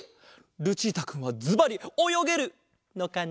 ルチータくんはずばりおよげるのかな？